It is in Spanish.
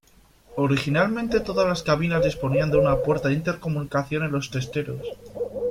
Originalmente todas las cabinas disponían de una puerta de intercomunicación en los testeros.